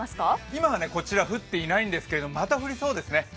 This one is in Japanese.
今はこちら降ってはいないんですが、また降りそうですね。